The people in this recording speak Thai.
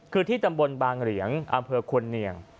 คือที่ตำบลบางเหรียงอำเภอควรเนียง